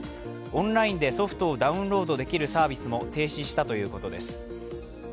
オンラインでソフトをダウンロードできるサービスも停止したということです。